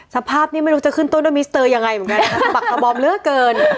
สภาพนี้ไม่รู้จะขึ้นต้นด้วยมิสเตอร์ยังไงเหมือนกันปักกระบอมเหลือเกิน